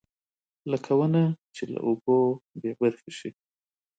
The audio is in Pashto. لکه ونه چې له اوبو بېبرخې شي.